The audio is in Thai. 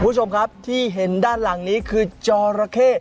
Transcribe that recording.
คุณผู้ชมครับที่เห็นด้านหลังนี้คือจอระเข้